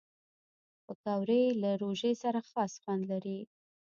پکورې له روژې سره خاص خوند لري